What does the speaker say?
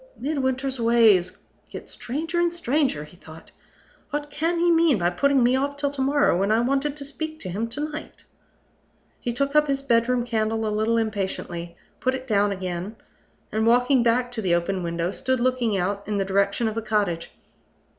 "Midwinter's ways get stranger and stranger," he thought. "What can he mean by putting me off till to morrow, when I wanted to speak to him to night?" He took up his bedroom candle a little impatiently, put it down again, and, walking back to the open window, stood looking out in the direction of the cottage.